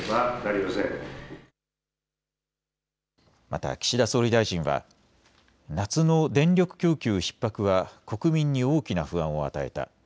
また岸田総理大臣は夏の電力供給ひっ迫は国民に大きな不安を与えた。